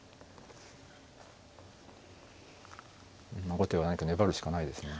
後手は何か粘るしかないですね。